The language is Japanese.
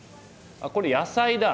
あっこれ野菜だ。